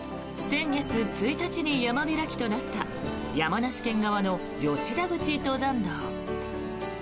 先月１日に山開きとなった山梨県側の吉田口登山道。